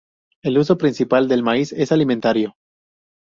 El uso principal del maíz es alimentario.